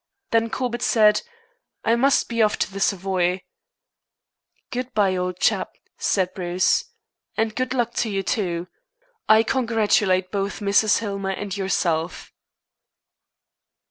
Then Corbett said: "I must be off to the Savoy." "Good bye, old chap," said Bruce. "And good luck to you, too. I congratulate both Mrs. Hillmer and yourself."